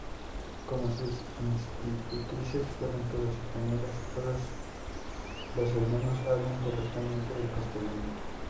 Como sus institutrices fueron todas españolas, todos los hermanos hablan correctamente el castellano.